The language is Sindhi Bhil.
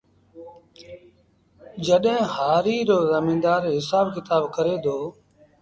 جڏهيݩ هآريٚ رو زميݩدآر هسآب ڪتآب ڪري دو